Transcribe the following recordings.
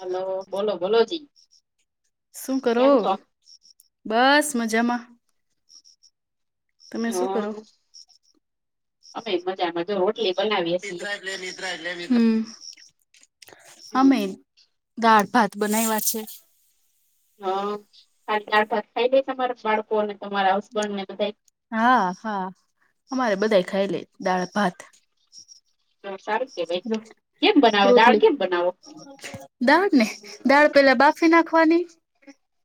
Hello બોલો બોલો જી. શું કરો? બસ મજામાં. તમે શું હા કરો અ અમે એમજ આમાં જ હોટલી નિદ્રા એટલે નિદ્રા નિદ્રા હમમ અમે હમ દાળ ભાત બનાયવા છે. હા અ કારણ કે [unintelligible] તમારા બાળકોને, તમારા હસબેન્ડ ને બધાય હા હા અમારે બધા યે ખાઈ લે દાળ ભાત. તો સારું કેવાય કેમ બનાવો દાળ રોટલી કેમ બનાવો? દાળ ને દાળ પેલા બાફી નાખવાની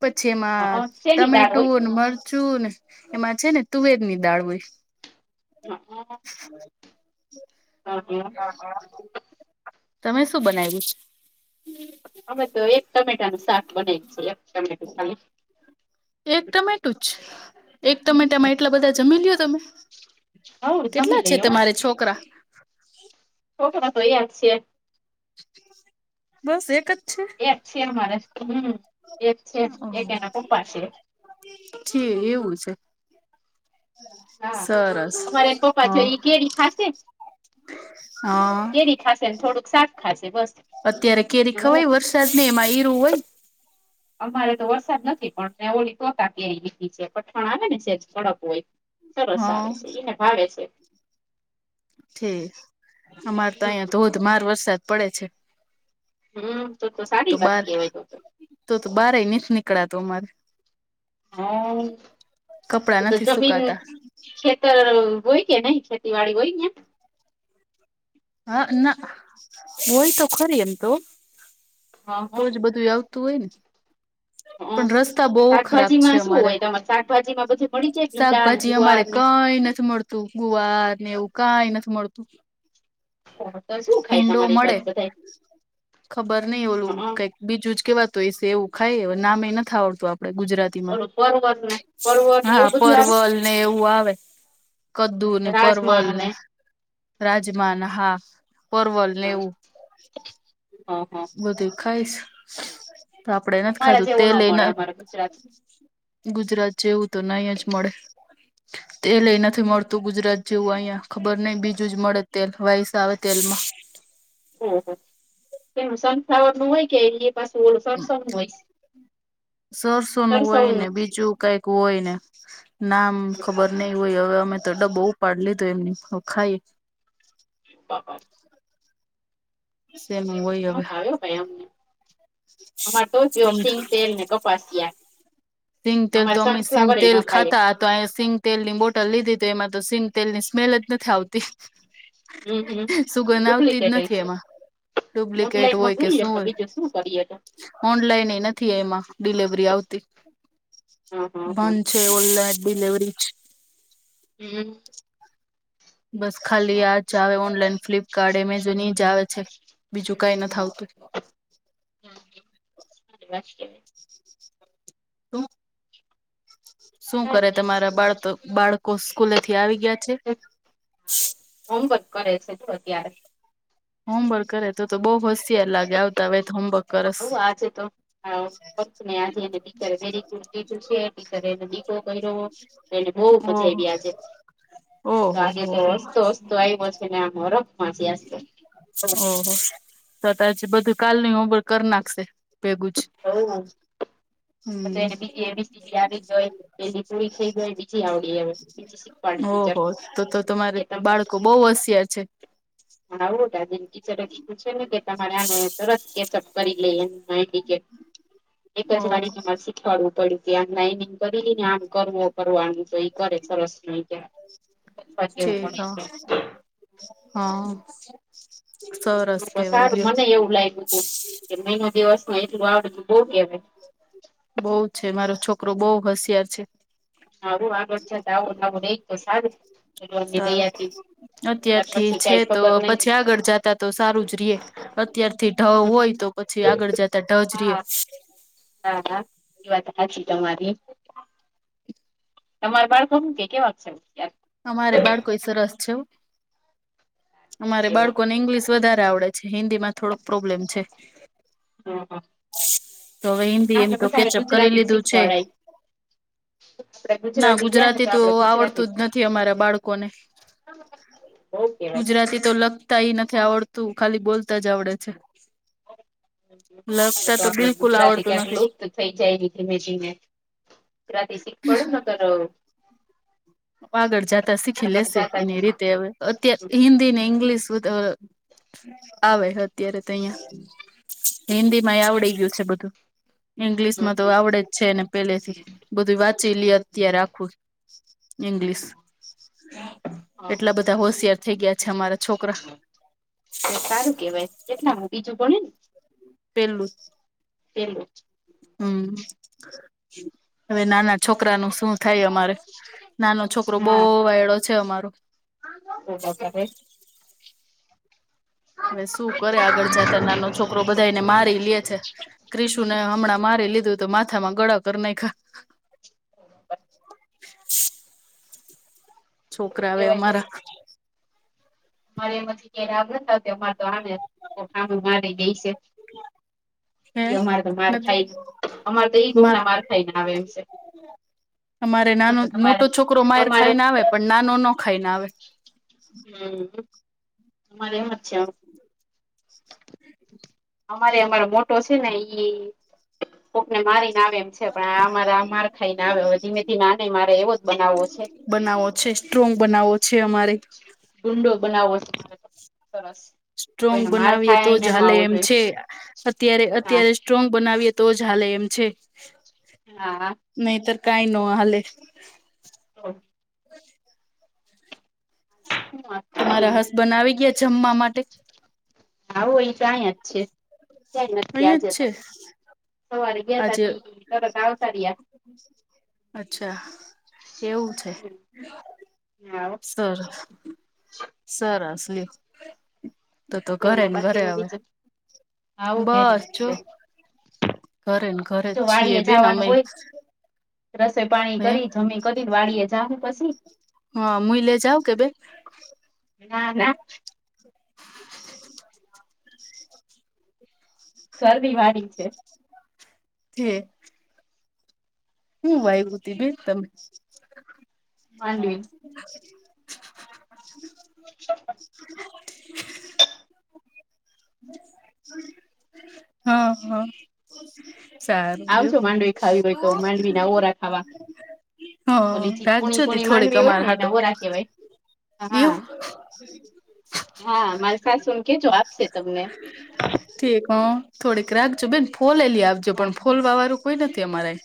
પછી એમાં હં, શેની દાળ હોય ટમેટું ને મરચું ને એમાં છે ને તુવેરની દાળ હોય. હા. હા તમે શું બનાવ્યુ? અમે તો એક ટમેટાનું શાક બને છે એક ટમેટું ખાલી. એક ટમેટું જ એક ટમેટામાં એટલા બધા જમી લો તમે. હવ જમી કેટલા છે લઈ એવું તમારે છોકરા? છોકરા તો એક છે. બસ એક જ છે. એક છે અમારે હમમ એક છે એક એના પપ્પા છે. છે એવું છે. હા સરસ અમારે એક પપ્પા છે હા. ઈ કેરી ખાશે હા. કેરી ખાશે ને થોડુંક સાક ખાશે બસ. અત્યારે કેરી હું ખવાય વરસાદ ને એમાં ઈરું હોય. અમારે તો વરસાદ નથી પણ ઓલી [unintelligible] છે કઠણ આવે ને સેજ કડક હોય. સરસ હા આવે છે ઈને ભાવે છે. થે અમારે તો અહિયાં ધોધમાર વરસાદ પડે છે. હમમ તો તો સારી વાત કેવાય તો. તો તો બાર યે નીથ નીકળાતું અમારે. હોવ કપડાં એ નથી તો જમીને સુકાતા ખેતર હોય કે નય ખેતીવાડી હોય ત્યાં? હા ના હોય તો ખરી એમ તો હા તો હા જ બધું આવ આવતું હોય ને પણ હ રસ્તા બો ખરાબ શાકભાજી છે માં શું અમારે હોય તમારે શાકભાજી માં બધું મળી જાય ભીંડા ને સાકભાજી અમારે ગુવાર ને કાઈ નથી મળતું ગુવાર ને એવું કાઈ નથી મળતું. [inaudible] ભીંડો તમારી મળે, બાજુ બધા ખબર નઈ ઓલું કઈક હ બીજું જ કેવાતું એ સેવું ખાય નામ એ નથી આવડતું આપડે ગુજરાત તીમાં ઓલું પરવર ને પરવર ને હા, એવું બધું આવે પરવલ ને એવું આવે. કદ્દુ ને પરવલ ને. રાજમાના હા પરવલને હ અવું. હ બંધુ ખાઈશ. તો આપડે નથી અમારા ખાધું જેવો ન તેલ મળે એને. અમારા ગુજરાત ગુજરાત જેવું તો નઈ જ મળે. તેલ એ નથી મળતું ગુજરાત જેવું અહિયા, ખબર નહ બીજું બીજું જ મળે તેલ, [unintelligible] આવે તેલમાં હમ્મ, એમાં સનફ્લાવર નું હોય કે નીપ સરસો નું હોય ને સરસવનું બીજું કઈક હોય ને. નામ ખબર નઈ હોય, હવે અમે તો ડબ્બો ઉંપાડી લીધું એમને ખાઈ હા હા. શેનું હોય હવે [unintelligible] આવ્યો ભાઈ અમને અમારે તોપયો અમ સિંગ તેલ ને કપાસિયા સિંગતેલ અમારે તો અમે સનફ્લાવર એ ન સિંગતેલ ખાય ખાતા તો અહીં સિંગ તેલ ની બોટલ લીધી હતી એમાં તો સિંગ તેલ ની સ્મેલ જ નથી આવતી. હમ હમ સુુંગન આવતી જ ડુપ્લિકેટ નથી હશે એમાં. ડુપ્લિકેટ ઓનલાઈન માં હોય કે કરીએ શું તો હોય. બીજું શું કરીએ તો ઓનલાઈન એ નથી એમાં, ડિલવરી આવતી હા હા હા બંધ છે ઓનલાઈન ડીલવરી જ હમ્મ‌. બસ ખાલી આજ જ આવે ઓનલાઈન ફ્લિપ કાર્ડ, એમેઝન એજ આવે છે, બીજું કઈ નથી હા. આવતું. [unintelligible] હમ્મ. શું કરે કેવાય. તમારા બાળતો બાળકો સ્કૂલેથી આવી ગયા છે? હોમવર્ક કરે છે જો અત્યારે હોમવર્ક કરે તો તો બો હોશિયાર લાગે આવતા વેત હોમવર્ક કરસ એને આજે એની ટીચરે વેરી ગુડ કીધું છે, ટીચર એને દીકરો કર્યો બોવ મજા ઓહો આયવી આજે તો ઓહો હો આજેતો હો હસતો હસતો આવ્યો છે ને આમ હરખમાં છે આજે તો ઓહો તોતો આજે બધું કાલનું હોમવર્ક કરી નાખશે ભેગું જ હોવ. આતો હમ્મ. એને બીજી એબીસીડી આવડી ગઈ પેલી પુરી થઈ ગઈ બીજી આવડી ગઈ બીજી શીખવાડી ટીચર ઓહો તોતો તમારે બાળકો બોવ હોશિયાર છે. હાહો આજે એના ટીચરે કીધું છેને કે તમારે આને તરત કેચઅપ કરીલે એમ. હા ઠીક છે [unintelligible] એકજ ઓહ વારી તો માર્કશીટ થોડું થોડું તે આમ લાઈનિંગ કરી લ્યેને આમ કરવો કરવાનું તો એ કરે સરસ રીતે ઠીક છે, હા. હા. સરસ તો કેવાય સારું લ્યો. મને એવું લાગ્યું તું કે મહિનો દિવસમાં એટલું આવડે એટલું બોવ કેવાય. બોવ છે, મારો છોકરો બઉુ હોશિયાર છે. સારું આગળ જાતા આવો ને આવો રેય તો સારું ભગવાનની સારું દયાથી. ત્યાર અત્યારથી પછી કઈ છેતો ખબર નઈ પછી આગળ જતા તો સારું જ રેય, અત્યારથી ઢ હોય તો પછી આગળ જતા ઢ જ રીએ. હા હા હા એ વાત સાચી તમારી. તમારા બાળકો શું કેય કેવાક છે અત્યારે? અમારે બાળકો સરસ છે હો, અમારે બાળકોને ઇંગ્લિશ વધારે આવડે છે હિન્દીમાં થોડોક પ્રોબ્લેમ છે. કેવાય તો હવે હિન્દી આપડે એમતો વધારે કેચઅપ કરી ગુજરાતી જ લીધું છે. શીખવાડાય ના આપડે ગુજરાતી ગયા ને તો ગુજરાતીતો આપડે ગુજરાતી આવડતું જ નથી. મારા બાળકોને, બઉ કેવાય ગુજરાતી તો લગ નથી આવડતું ખાલી બોલતા જ આવડે છે. તો લખતા આપડે બિલકુલ ગુજરાતી આવડતું ક્યાંક નથી. લુપ્ત થઈ જાય નય ધીમે ધીમે. પ્રાદેશિક [unintelligible] પડ ન કરો. પાર્લર જાતા શીખી લેશે એની રીતે હવે. અત્યારે હિન્દી ને ઇંગ્લિશ બધે આવે હે અત્યારે તો અહિયાં. હિન્દીમાય આવડી ગયું છે બધું. ઈંગ્લિશમાં તો આવડે જ છે એને પેલેથી, બધું વાંચી લ્યે અત્યારે આખું. ઇંગ્લિશ, હા એટલા બધા હોશિયાર થઇ ગયા છે અમારે સારું કેવાય કેટલામુ બીજું ભણેને? પેલું. પેલું જ. હમ. હવે નાના છોકરાનું શું થાય અમારે, નાનો છોકરો બવ વાયડો છે અમારો. ઓ વગરે [unintelligible] હવે શું કરે આગળ જાતા નાનો છોકરો બધાને મારી લે છે. ક્રિશુને હમણાં મારી લીધુંતું માથામાં દળા કરી નાયખા. શું છોકરાવે કેવાય અમારા. અરે એમાંથી કે [unintelligible] રાભ અમારે આને ખામ મારી દે છે [unintelligible] હ [inaudible] ઈ અમારે તો માર ખાઈને, અમારે તો ઈ બહુના માર ખાઈ ને આવે એમ છે. અમારે તો નાનો તો તમારે મોટો છોકરો માર તમારે ખાઈને આવે પણ નાનો ન ખાઈને આવે. હમ. તમારે મત છા. અમારે અમારો મોટો છે ને ઈ કોકને મારીને આવે એમ. પણ આ મારે આ માર ખાઈને આવેવે ધીમે ધી નાને મારે એવો જ બનાવો છે. બનાવો છે સ્ટ્રોંગ બનાવો છે અમારે. ગુંડો બનાવો સરસ. સ્ટ્રોંગ કોઈને માર બનાવીએ તો ખાઈને નો હાલે આવવો એમ જોઈએ છે. અત્યારે હા અત્યારે સ્ટ્રોગ બનાવીએ તો જ હાલે એમ છે. હા. નહીતો કાંઈનો હાલે. હ. હ. તમારા હસબન આવી ગયા જમવા માટે? આવું એ તો આં જ છે, ક્યાંય નહિ ગિયા અહીં જ આજે તો. છે સવારે ગતા તત આવતા રિયા. હ. અચ્છા એવું છે. હા ત સરસ લે. તો તો ઘરે બોલો ને ઘરે બાકીનું અવે બીજું આવું ઘેરે બસ ને જો ઘરે ઘરે ને અમારે ઘરે જ જો છીએ વાડીએ બેન જવાનું અમેઇ. હોય રસોઈ પાણી કરી, જમી કરી ને વાડીએ જાઉ પસી. હા મુઈલે જાવ કે બેન ના ના. [unintelligible] [unintelligible] શરદી વાળી છે. થે હું વાયગુતે તમ તમ માંડવી [unintelligible] [inaudible] હા હા. સારીડ્યો શું? નાવરાથવા હા ઓલી ચીકુ રાખજો ની તી પણ થોડીક માંડવી હોય અમાર ને એને હાટુ નવરા કહેવાય હા. એવું હા મારી સાસુને કેજો આપશે તમને. ઠીક હા થોડીક રાખજો બેન ફોલેલી આપજો પણ ફોલવા વાળું કોઈ નથી અમારે.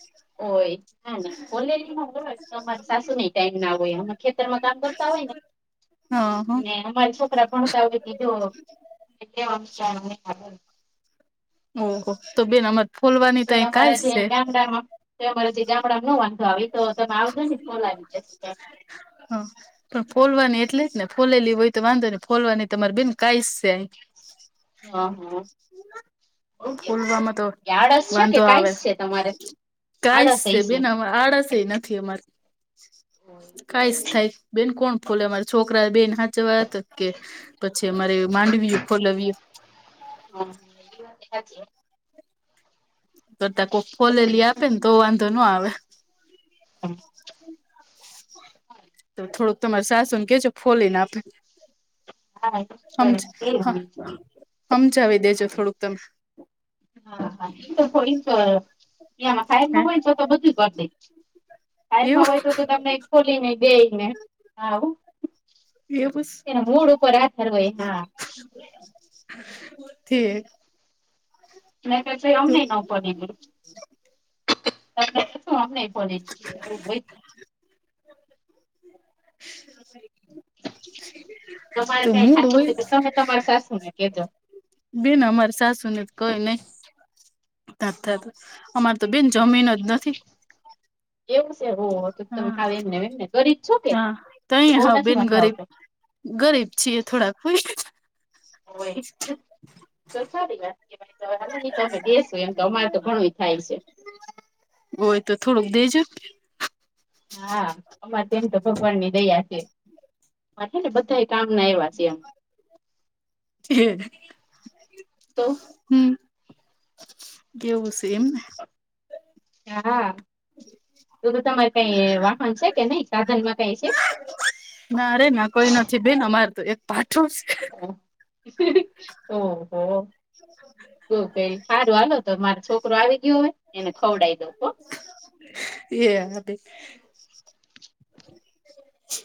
ઓય હા ને ફોલેલી ના હોય તો અમારે સાસુ નેઈ ટાઈમ ના હોય અમે ખેતર માં કામ કરતા હોય ને [unintelligible] હા ને અમારા છોકરા ભણતા હોય તેજો એટલે [unintelligible] ઓહો તો બેન અમારે ફોલવાની તો એ [inaudible] અમારા જે છે. ગામડામાં તો અ મારે જગ્યા ગામડા નું હું વાંધો આવે તો તમે આવજો ને ફોલાવી દેશું કાક હા પણ ફોલવાની એટલે જ ને ફોલેલી હોય તો વાંધો ને ફોલવાની તમારે બેન કાઈસ છે. હા હા. ફોલવામાં તો તયાળસ છે કે કઈ છે તમારે. કાઈ આળસ સે હઈ છે બેન હા આળસ એ નથી અમારે. એ કાઈ સ થાય બેન કોણ ખોલે મારા છોકરા બેન હાચવા તા કે પછી અમારે માંડવીએ ફોલવીએ. [unintelligible] એવી વાત કા છે [unintelligible] કોક ફોલેલી આપે ને તો વાંધો ના આવે. [unintelligible] હા તો થોડુંક તમારે સાસુ ને કેજો ફોલીને આપે. હા હા ઈ તો હમ એમ તો હમ હમજાવી દેજો થોડુંક તમે. હા હા ઈ લોકો એમ કેય ત્યાં ટાઈમ તમે ન હોય તો હે તો બધું કરી દે. ટાઈમ એવું હોવો તો તમને ખોલીને બેઈ ને હા. એવું એના મૂડ ઉપર આધર હોય હા. થે નય તો જો અમને નો તો ફોલી દેય. [unintelligible] અમને ફોલી નો દેય એવું બોય [inaudible] તમારે કઈ થાતું હોય તો તમે તમાર સાસુ ને કેજો. બેન અમાર કોઈ નઈ. [unintelligible] અમાર તો બેન જમીન જ નથી. એવું છે હો હા તમે એમને એમને કરીબ છો ક, હા તો અહી હા નથી બેન વાંધ ગરીબ આવતો. ગરીબ છીએ થોડાક હોય. ઓય તો [unintelligible] કે ભાઈ હ નહી તો અમે દસ એમ તો અમારે તો ઘણું થાય છે. હોય તો થોડુંક દેજો. હા અમારે તેમ તો ભગવાન ની દયા છે. એટલે બધા કામ ના એવા છે એમ. હ તો હમ કેવું છે એમ. હા, તો તો તમારે કઈ વાહન છે, કે નહી સાધનમાં કઈ છે? ના રે ના કોઈ નથી બેન અમારે તો તએક પાઠું છે. ઓહ. [unintelligible] સારું વાલો તો મારો છોકરો આવી ગયો હોય એને ખવડી દો. [unintelligible]